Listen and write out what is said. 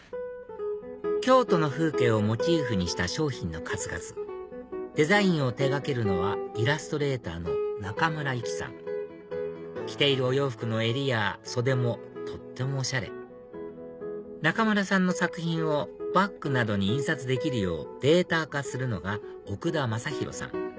京都の風景をモチーフにした商品の数々デザインを手掛けるのはイラストレーターのナカムラユキさん着ているお洋服の襟や袖もとってもおしゃれナカムラさんの作品をバッグなどに印刷できるようデータ化するのが奥田正広さん